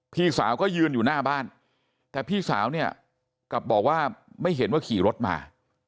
พี่สาวก็ยืนอยู่หน้าบ้านแต่พี่สาวเนี่ยกลับบอกว่าไม่เห็นว่าขี่รถมา